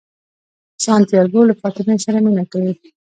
سانتیاګو له فاطمې سره مینه کوي.